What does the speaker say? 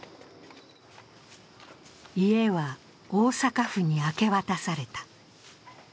家は大阪府に明け渡された。